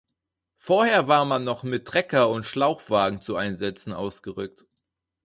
Vorher war man noch mit Trecker und Schlauchwagen zu Einsätzen ausgerückt.